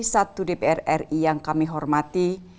satu dpr ri yang kami hormati